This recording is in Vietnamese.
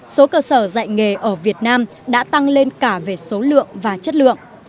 số cơ sở dạy nghề ở việt nam đã tăng lên cả về số lượng và chất lượng